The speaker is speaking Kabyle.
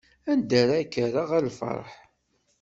Anda ara k-rreɣ a lferḥ?